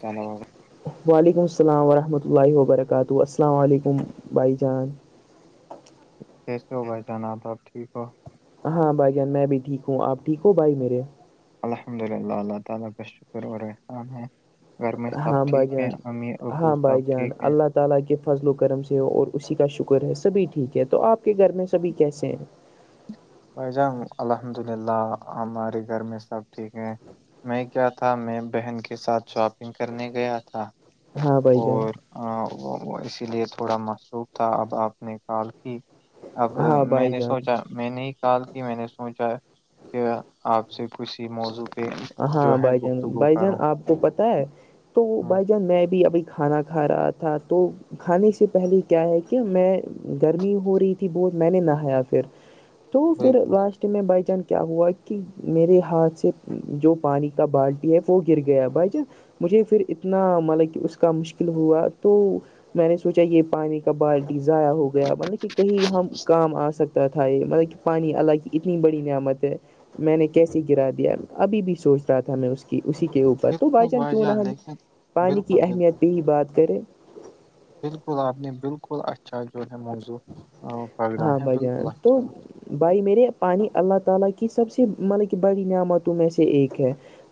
چ ال باب وعلیکم السلام ورحمۃ اللہ وبرکاتہ السلام علیکم بھائی جان کیسے ہو باائی جانا آب آپ ٹھیک ہو ہاں بھائی جان میں بھی ٹھیک ہوں آپ ٹھیک ہو بھائی میرے الحمد اللہ اللہ تعالی کا شکر و رسلان گھر میں سب ہاں ٹھیک بھائی ہے جان امیر ابو ہاں سب بھائی جان ٹھیک ہیں اللہ تعالی کے فضل و کرم سے ہو اور اسی کا شکر ہے سبھی ٹھیک ہے تو آپ کے گھر میں سبھی کیسے ہیں بھائی جان الحمد للہ ہمارے گھر میں سب ٹھیک ہیں میں کیا تھا میں بہن کے ساتھ شاپنگ کرنے گیا تھا ہاں بائی جان اور اسی لیے تھوڑا مصروف تھا اب آپ نے کال کی اب ہاں میں بھائی نے جان سوچا میں نے ہی کال کی میں نے سوچا کہ آپ سے کچھ ہی موضوع پہ جو ہاں ہے بھائی جان گفتگو بھائی جان کاروں آپ کو پتہ ہے تو بائی چانس میں بھی ابھی کھانا کھا رہا تھا تو کھانے سے پہلے کیا ہے کہ میں گرمی ہو رہی تھی بہت میں نے نہایا پھر [unintelligible] تو پھر بالکل لاسٹ میں بھ جان کیا ہوا کہ میرے ہاتھ سے جو پانی کا بالٹی ہے وہ گر گیا بھائی جان مجھے پھر اتنا ملب کہ اس کا مشکل ہوا تو میں نے سوچا یہ پانی کا بالٹی ضائع ہو گیا مطلب کہ کہیں ہم کام آ سکتے تھا یہ مطلب کہ پانی اللہ کی اتنی بڑی نعمت ہے میں نے کیسے گرا دیا ابھی بھی سوچ رہا تھا میں اس [unintelligible] کہ اسی کے اوپر تو بھائی جان کیوں نہ ہم پانی کی بالکل بالکل اہمیت پہ ہی بات کریں بالکل آپ نہیں بالکل اچھاء جور موضوع پکڑا ہاں ہے بھائی جان بالکل تو [unintelligible] اچھا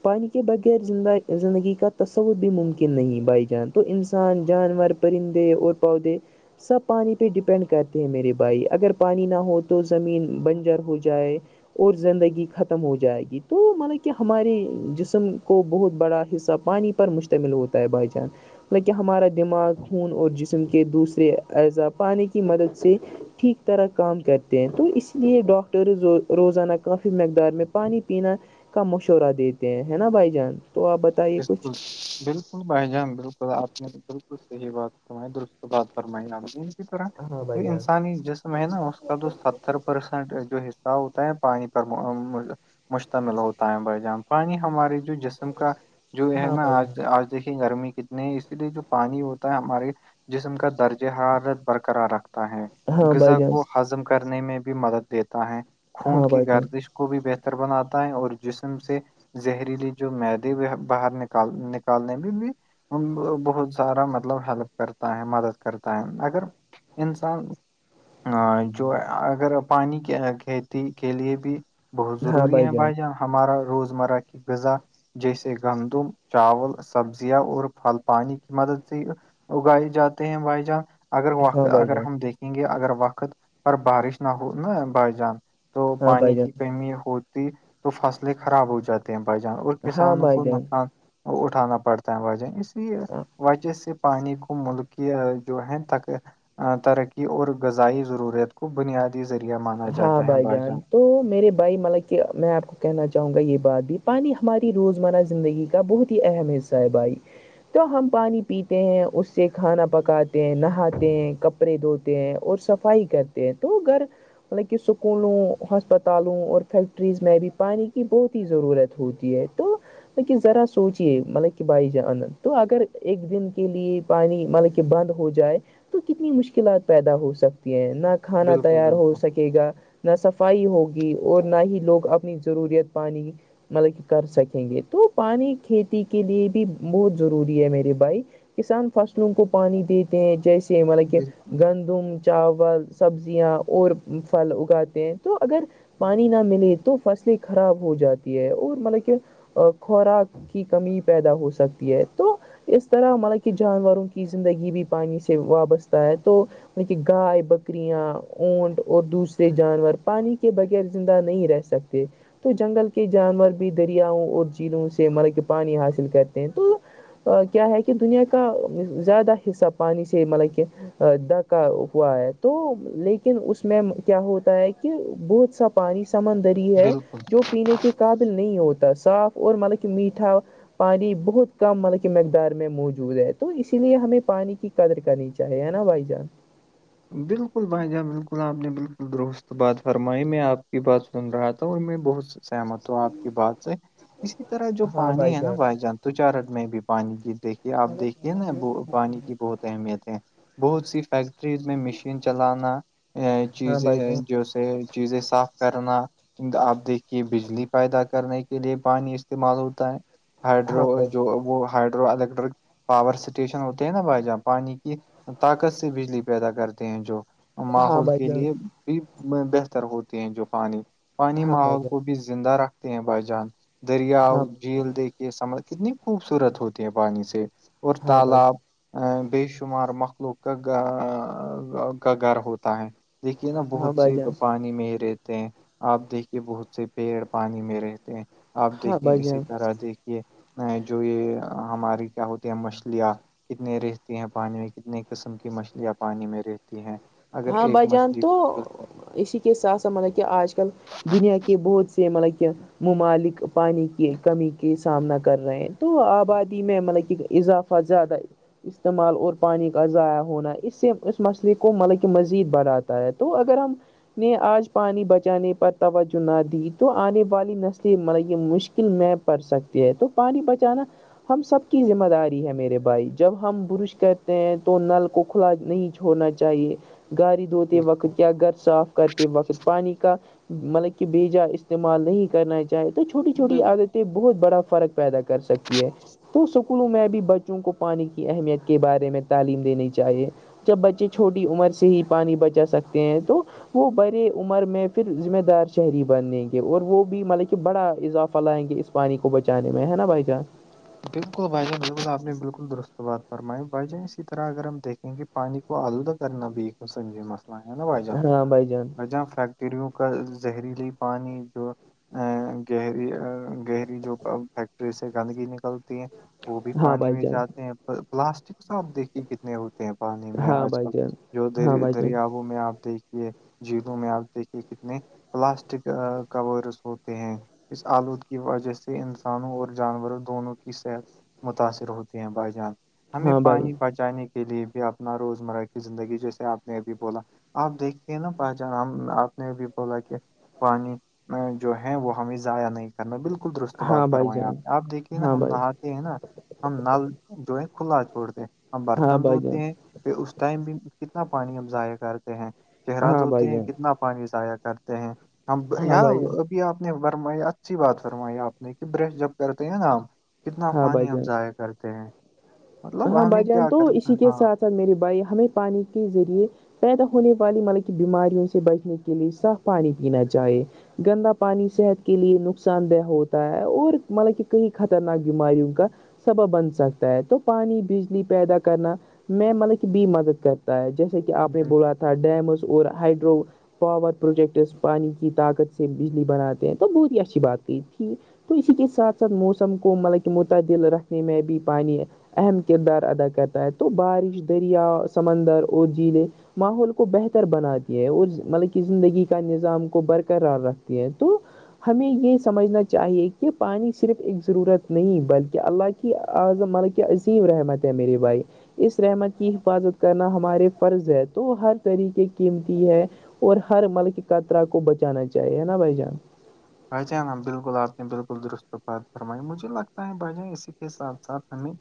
پانی کے بغیر زندہ زندگی کا تصور بھی ممکن نہیں بائی جان تو انسان جانور پرندے اور پودے سب پانی پہ ڈیپینڈ کرتے ہیں میرے بھائی اگر پانی نہ ہو تو زمین بنجر ہو جائے اور زندگی ختم ہو جائے گی تو مطلب کہ ہمارے جسم کو بہت بڑا حصہ پانی مشتمل ہوتا ہے بھائی جان لکہ ہمارا دماغ خون اور جسم کے دوسرے اعزا پانے کی مدد سے ٹھیک طرح کام کرتے ہیں تو اس لیے ڈاکٹرز روزانہ کافی مقدار میں پانی پینا کا مشورہ دیتے ہیں ہے نا بھائی جان تو آپ ب بالکل بالل بھائی جان بالکل آپ نے بالکل صحی بات فرمائی درست بات فرمائی آپ اس طرح ہاں جو بھائی جان انسانی جسم ہے نا اس کا تو ستر پرسٹ جو حصہ ہوتا ہے پانی پر مشتمل ہوتا ہے بھائی جان پانی ہمارے جو جسم کا جو ہے ہاں نا بھائی جان آج آج دیکھے گرمی کی نہیں اسی لیے جو پانی ہوتا ہے ہمارے جسم کا درجہ حالت برقرار رکھتا ہے ہاں بھائی غذا جان کو ہضم کرنے میں بھی مدد دیتا ہے خون ہاں کی بھائی جان گردش کو بھی بہتر بناتا ہے اور جسم سے زہریلی جو میدے باہر نکال نکالنے بھی بھی بہت سارا مطلب ہیلپ کرتا ہے مدد کرتا ہے اگر انسان ا جو اگر پانی کے کھیتی کے لیے بھی بہت ضروری ہے بھائی جان ہمارا روزمرہ کی غذا جیسے سے گندم چاول سبزیاں اور پھل پانی کی مدد سے اگائے جاتے ہیں بھائی جان اگر وقت ہاں بھائی اگر جان ہم دیکھیں گے اگر وقت پر بارش نہ ہو نہ بائی جان تو ہاں پانی بھائی کی جان کمی ہوتی تو فصلیں خراب ہو جات ہیں بائی جان اور ہاں کسانوں کو بھائی جان نقصان اٹھانا پڑتا ہے وجہ اس لیے وجہ سے پانی کو ملکی جو ہے تک ترقی اور غذائی ضرورت کو بنیادی ذریعہ مانا جاتا ہاں ہے بھائی جان بادشاہ تو میرے بھائی مطب کہ میں آپ کو کہنا چاہوں گا یہ بات بھی پانی ہماری روزمرہ زندگی کا بہت ہی اہم حصہ ہے بھائی تو ہم پانی پیتے ہیں اس سے کھانا پکاتے ہیں نہاتے ہیں کپ کپڑے دھوتے ہیں اور صفائی کرتے ہیں تو گھر مطلب کہ اسکولوں ہسپتالوں اور فیکٹریز میں بھی پانی کی بہت ہی ضرورت ہے ہوتی ہے تو کہ ذرا سوچیے مطلب کہ بھائی جان تو اگر ایک دن کے لیے پانی مطلب کہ بند ہو جائے تو کتنی مشکلات پیدا ہو سکتی ہیں نہ کھانا بالکل تیار ہو بالکل ے گا نہ صفائی ہوگی اور نہ ہی لوگ اپنی ضروریت پانی مطلب کہ کر سکیں گے تو پانی کھیتی کے لیے بھی بہت ضروری ہے میرے بھائی کسان فصلوں کو پانی دیتے ہیں جیسے ا مطلب کہ بالکل گندم چاول سبزیاں اور پھل اگاتے ہیں تو اگر پانی نہ ملے تو فصلیں خراب ہو جاتی ہے اور مطلب کہ خوراک کی کمی پیدا ہو سکتی ہے تو اس طرح مطلب کہ جانوروں کی زندگی بھی پانی سے وابستہ ہے تو م کہ گائے بکرییاں اونٹ اور دوسرے جانور پانی کے بغیر زندہ نہیں رہ سکتے تو جنگل کے جانور بھی دریاؤوں اور جلوں سے ملب کے پانی حاصل کرتے ہیں تو کیا ہے کہ دنیا کا زیادہ حصہ پانی سے مطلب کہ د کا ہوا ہے تو لیکن اس اس میں کیا ہوتا ہے کہ بہت سا پانی سمندری ہے بالکل جو پینے کے قابل نہیں ہوتا صاف اور مطلب کہ میٹھا پانی بہت کم مطلب کہ مقدار میں موجود ہے تو اسی لیے ہمیں پانی کی قدر کرنی چاہے ہے نا بھائی جان بالکل بھائی جان بالکل آپ نے بالکل درست بات فرمائی میں آپ کی بات سن رہا تھا اور میں بہت سمت ہ آپ کی بات سے اسی طرح جو پانی ہے نا بھائی جان توچارٹ میں بھی پانی کی دیکھیے آپ میں نے دیکھیے نا پانی کی بہت اہمیت ہے بہت سی فیکٹریز میں مشین چلانا ہاں بھائی چیزیں جان جو سے چیزیں صاف کرنا آپ دیکھیے بجلی پیدا کرنے کے لیے پانی استعمال ہوتا ہے ہاں ہائڈرو جو وہ ہائڈرو الیکٹرک پاور اسٹیشن ہوتے ہیں نا بھائی جہاں پانی کی طاقت سے بجلی پیدا کرتے ہیں جو ماحول بھائی کے جان لیے بھی بہتر ہوتے ہیں جو پانی پانی ہاں بھائی ماحول کو جان بھی زندہ رکھتے ہیں بائی جان ہاں دریاؤ بھائی جان جھیل دیکھیے سم کتنی خوبصورت ہوتی ہے پانی سے اور ہاں بھائی جان تالاب بے شمار مخلوق کا کا گھر ہوتا ہے دیکھیے نا ہاں بہت بھائی جان ہاں بھائی سے جان پانی میں ہی رہتے ہیں آپ دیکھیے بہت سے پیڑ پانی میں رہتے آپ ہاں دیکھیے بھائی اسی جان طرح دیکھیے ا جو یہ ہماری کیا ہوتی ہیں مچھلیاں کتنے رہتی ہیں پانی میں کتنے قسم کی مچھلیاں پانی میں رہتی ہیں اگر ہاں ایک بھائی جان مچھلی تو بالکل اسی کے ساتھ ساتھ مطلب کہ آج کل دنیا کے بہت سے مطلب کہ ممالک پانی کی کمی کے سامنا کر رہے ہیں تو آبادی میں مطلب کہ اضافہ زیادہ استعمال اور پانی کا ضائع ہونا اس سے اس مسئلے کو ملب مزید بڑھاتا ہے تو اگر ہم نے آج پانی بچانے پر توجہ نہ دی تو آنے والی نسل یہ مشکل میپ پ سکتی ہے تو پانی بچانا ہم سب کی ذمہ داری ہے میرے بھائی جب ہم برش کرتے ہیں تو نل کو کھلا نہیں ہونا چاہیے گاڑ دھوتے بالکل وقت کیا گھر صاف کرتے وقت پانی کا مطلب کہ بیےجا استعمال نہیں کرنا چاہ چاہے تو چھوٹی چھوٹی بالکل عادتیں بہت بڑا فرق پیدا کر سکتی ہے تو اسکولوں میں بھی بچوں کو پانی کی اہمیت کے بارے میں تعلیم دینی چاہیے جب بچے چھوٹی عمر سے ہی پانی بچا سکتے ہیں تو وہ بڑے عمر میں پھر ذمہ دار شہری بنیں گے اور وہ بھی مطلب کہ بڑا اضافہ لائیں گے اس پانی کو بچانے میں ہے نا بائی چانس بالکل بھائی جان بالکل آپ نے بالکل درست بات فرمائی بائی جان اسی طرح اگر ہم دیکھے کیونکہ پانی کو آلودہ کرنا بھی سنج مسئلہ ہے نا بجہ ہاں بھائی جان جہ ف تریو کا زہریلی پانی جو ا گہری گہری جو فیکٹری سے گندگی ن چلتی ہیں وہ بھی ہاں پانی بھائی میں جان جاتے ہیں پلاسٹک سا آپ دیکھی کتنے ہوتے پانی میں ہاں آج بھائی کل جان جو ہاں د بھائی جان دریا میں آپ دیکھیے جیرو میں آپ دیکھیے کتنے پلاسٹک کورس ہوتے ہیں اس آلود کی وجہ سے انسانوں اور جانوروں دونوں کی صحت متاثر ہوتی ہیں بھائی جان ہمیں ہاں بھائی پانی بچ جانے کے لیے بھی اپنا روزمرہ کی زندگی جیسے آپ نے ابھی بولا آپ دیکھیے نا پہچان آپ نے بھی بولا کہ پانی جو ہے وہ ہمیں ضائع نہیں کرنا بالکل درست بات ہاں بھائی فرمائیں جان آپ نے آپ دیکھیے نا ہاں ہم بھائی نا ہم نل جو ہے کھلا چھوڑتے ہیں ہم ہاں برتن بھائی دھوتے جان ہیں پھر اس ٹائم بھی کتنا پانی اب ضائع کرتے ہیں چہرہ ہاں دھوتے بھائی ہیں جان کتنا پانی جضایا کرتے ہیں ہم ہاں بھائی جان یہاں آپ نے فرمائییا اچھی بات فرمائی آپ نے کہ برش جب کرتے ہیں نا کتنا ہاں پانی بھائی ہمب جان ضائع کرتے ہیں مطلب ہمیں کیا کرنا ہاں سر میرے بھائی ہمیں پانی کے ذریعے پیدا ہونے والی مطلب کی بیماریوں سے بچنے کے لیے صاف پانی پینا چاہے گندا پانی صحت کے لیے نقصان دہ ہوتا ہے اور مطلب کہ کہیں خطرناک بیماریوں کا سبب بن سکتا ہے تو پانی بجلی پیدا کرنا میں مطلب کہ بھی مدد کرتا ہے جیسے کہ آپ نے بولا تھا ڈیمز اور ہائڈرو پاور پروجیکٹس پانی کی طاقت سے بجلی بناتے ہیں تو بہت ہی اچھی بات کہئی تھی تو اسی کے ساتھ ساتھ موسم کو مطلب کہ متعدل رکھنے میں بھی پانی اہم کردار ادا کرتا ہے تو بارش دریا سمندر اور جیلیں ماحول کو بہتر بناتی ہے اور مطلب کہ زندگی کا نظام کو برقرار رکھتی ہے تو ہمیں یہ سمجھنا چاہیے کہ پانی صرف ایک ضرورت نہیں بلکہ اللہ کی اعظم مل عظیم رحمت ہے میرری بھائی اس رحمت کی حفاظت کرنا ہمارے فرض ہے تو ہر طریقے قیمتی ہے اور ہر ملک قطرا کو بچانا چاہیے نا بھائی جان بھ جان بالکل آپ نے بالکل درست پات فرمائی مجھے لگتا ہے بھائی جان اسی کے ساتھ ساتھ ہمیں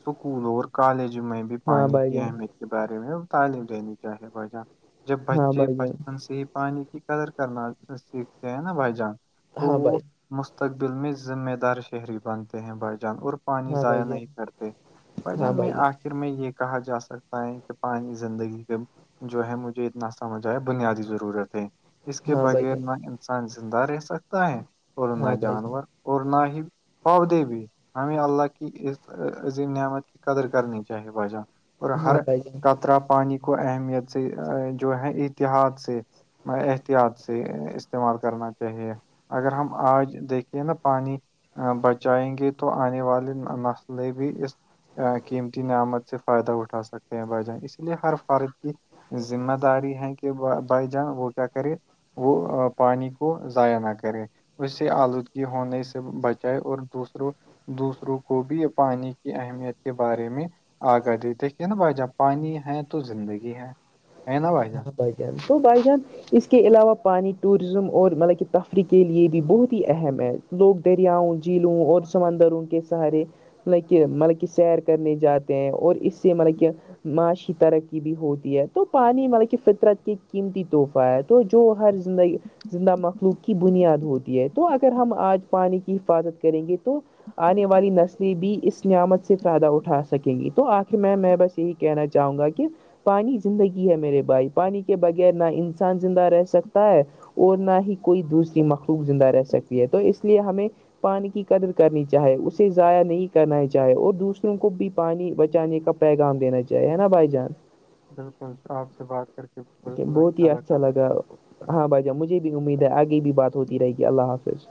اسکول اور کالج میں بھی ہاں پانی بھائی کی جان اہمیت کے بارے میں تعلیم دینی چاہے وجہ جب ہاں بچے بھائی جان بچپن سے ہی پانی کی قدر کرنا سیکھتے ہیں نا بھائی جان تو ہاں وہ بھائی مستقبل میں ذمہ دار شہری بنتے ہیں بھائی جان اور پانی ہاں بھائی ضائع نہیں جان کرتے ہاں وجن میں بھائی آ جان آخر میں یہ کہا جا سکتا ہے کہ پانی زندگی کے جو ہے مجھے اتنا سمجھ آئے بنیادی ضرورت ہے اس کے ہاں بھائی بغیر جان نہ انسان زندہ رہ سکتا ہے اور نہ ہاں بھائی جانور جان اور نہ ہی پاب دے بھی ہمیں اللہ کی اس عظیم نعمت کی قدر کرنی چاہیے باشاہ اور ہر ہاں بھائی جان قطرا پانی کو اہمیت سے جو ہے اتحاد سے میں احتیاط سے استعمال کرنا چاہیے اگر ہم آج دیکھے نا پانی بچائیں گے تو آنے والے مسئلے بھی اس قیمتی نعمت سے فائدہ اٹھا سکتے ہیں بھائی جان اسی لیے ہر فارج کی ذمہ داری ہے کہ بھائی جان وہ کیا کرے وہ پانی کو ضائع نہ کر کرے اس سے آلودگی ہونے سے بچائے اور دوسروں دوسروں کو بھی پانی کی اہمیت کے بارے میں آ کر دی دیک کہ نا بھائی جا پانی ہے تو زندگی ہے ہے نا بھائی جا بھ جان تو بائی جان اس کے علاوہ پانی ٹورزم اور مطلب کہ تفریح کے لیے بھی بہت ہی اہم ہے لوگ دریاؤں جیلوں اور سمندروں کے سہارے مطلب کہ مطلب کہ سیر کرنے جاتے ہیں اور اس سے مطلب کہ معاشی ترقی بھی ہوتی ہے تو پانچ نہیں مطلب کہ فطرت کی قیمتی تحفہ ہے تو جو ہر زندگی زندہ مخلوق کی بنیاد ہوتی ہے تو اگر ہم آج پانی کی حفاظت کریں گے تو آنے والی نسلیں بھی اس نعمت سے فائدہ اٹھا سکیں گی تو آخر میں میں بس ہی کہنا چاہوں گا کہ پانی زندگی ہے میرے بھائی پانی کے بغیر نہ انسان زندہ رہ سکتا ہے اور نہ ہی کوئی دوسری مخلوق زندہ رہ سکتی ہے تو اس لیے ہمیں پانی کی قدر کرنی چاہے اسے ضائع نہیں کرنا چاہے اور دوسروں کو بھی پانی بچانے کا پیغام دینا چاہے ہے نا بائی چانس بالکل آپ سے بات کر کے بالکل بہت ہی اچھا بھائی جان لگا ہاں بھائی جا مجھے بھی امید ہے آگے بھی بات ہوتی رہے گی اللہ حافظ